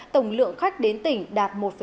tổng lượng khách đến tỉnh đạt